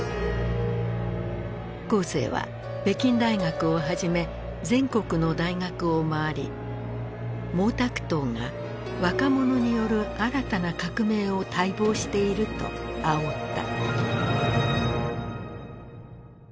江青は北京大学をはじめ全国の大学を回り「毛沢東が若者による新たな革命を待望している」とあおった。